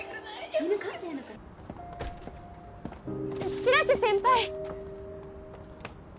白瀬先輩！